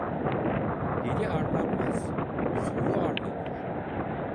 Deli arlanmaz soyu arlanır.